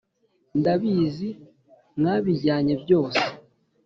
Ndabizi mwabijyanye byose